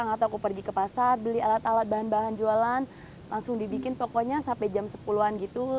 atau aku pergi ke pasar beli alat alat bahan bahan jualan langsung dibikin pokoknya sampai jam sepuluh an gitu